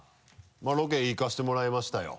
ロケ行かせてもらいましたよ。